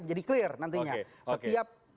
jadi clear nantinya setiap